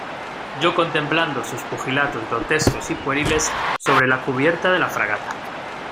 yo contemplando sus pugilatos grotescos y pueriles sobre la cubierta de la fragata,